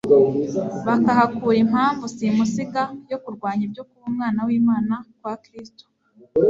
bakahakura impamvu simusiga yo kurwanya ibyo kuba Umwana w'Imana kwa Kristo.